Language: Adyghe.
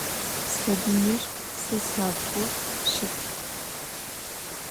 Сабыир сэ сабгъу щыт.